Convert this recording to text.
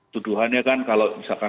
tuduhannya kan kalau misalkan